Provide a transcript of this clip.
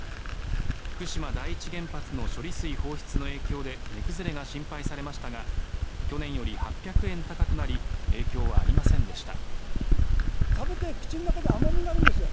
福島第一原発の処理水放出の影響で値崩れが心配されましたが去年より８００円高くなり影響はありませんでした。